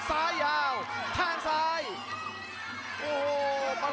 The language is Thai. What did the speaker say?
หัวจิตหัวใจแก่เกินร้อยครับ